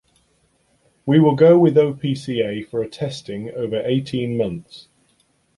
We will go with OPCA for a testing over eighteen months.